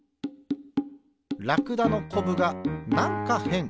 ラクダのこぶがなんかへん。